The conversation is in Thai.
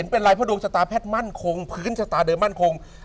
เป็นไรเพราะดวงชะตาแพทย์มั่นคงพื้นชะตาเดิมมั่นคง